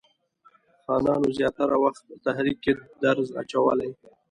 خانانو زیاتره وخت تحریک کې درز اچولی.